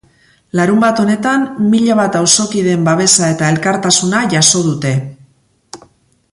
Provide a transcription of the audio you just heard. Larunbat honetan mila bat auzokideen babesa eta elkartasuna jaso dute.